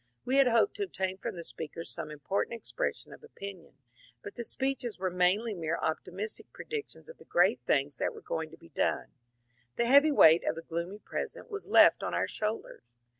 We had hoped to obtain from the speakers some important expression of opinion, but the speeches were mainly mere optimistic predictions of the great things that were going to be done. The heavy weight of the gloomy present was left on our shoulders.